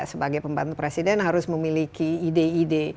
sebagai pembantu presiden harus memiliki ide ide